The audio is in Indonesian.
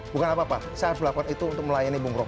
bukan apa apa saya harus lakukan itu untuk melayani bungroh